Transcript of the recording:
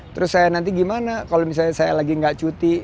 terus saya nanti gimana kalau misalnya saya lagi gak cuti